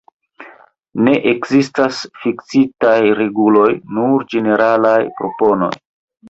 Ne ekzistas fiksitaj reguloj, nur ĝeneralaj proponoj.